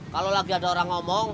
kalau lagi ada orang